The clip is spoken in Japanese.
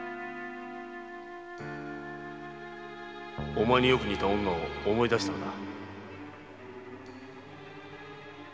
お前によく似た女を思い出したのだ